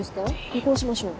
尾行しましょう。